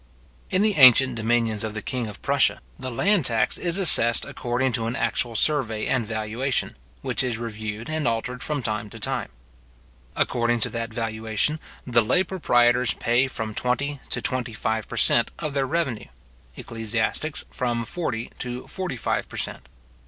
In the ancient dominions of the king of Prussia, the land tax is assessed according to an actual survey and valuation, which is reviewed and altered from time to time. {Memoires concernant les Droits, etc. tom, i. p. 114, 115, 116, etc.} According to that valuation, the lay proprietors pay from twenty to twenty five per cent. of their revenue; ecclesiastics from forty to forty five per cent.